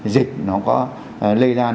dịch nó có lây lan